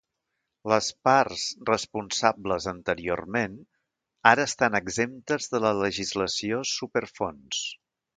Les parts responsables anteriorment ara estan exemptes de la legislació Superfons.